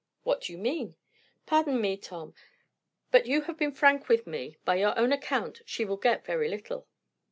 "What do you mean?" "Pardon me, Tom; but you have been frank with me. By your own account, she will get very little."